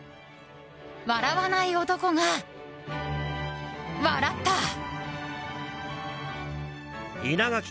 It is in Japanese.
笑わない男が笑った。